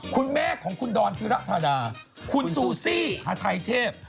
คุณแม่ของคุณดอนธิระธาดาคุณซูซี่ฮาไทเทพ